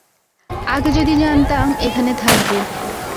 আগে যদি জানতাম এখানে থাকবি।